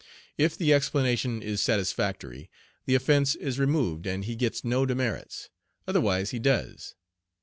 If the explanation is satisfactory, the offence is removed and he gets no demerits, otherwise he does.